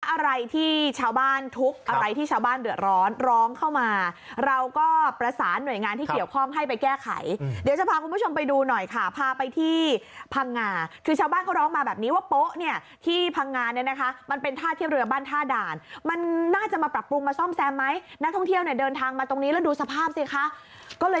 อะไรที่ชาวบ้านทุกข์อะไรที่ชาวบ้านเดือดร้อนร้องเข้ามาเราก็ประสานหน่วยงานที่เกี่ยวข้องให้ไปแก้ไขเดี๋ยวจะพาคุณผู้ชมไปดูหน่อยค่ะพาไปที่พังงาคือชาวบ้านเขาร้องมาแบบนี้ว่าโป๊ะเนี่ยที่พังงาเนี่ยนะคะมันเป็นท่าเทียบเรือบ้านท่าด่านมันน่าจะมาปรับปรุงมาซ่อมแซมไหมนักท่องเที่ยวเนี่ยเดินทางมาตรงนี้แล้วดูสภาพสิคะก็เลย